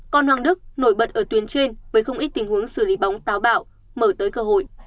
còn hoàng đức nổi bật ở tuyến trên với không ít tình huống xử lý bóng táo bạo mở tới cơ hội